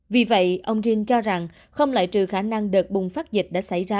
vì vậy ông ring cho rằng không lại trừ khả năng đợt bùng phát dịch đã xảy ra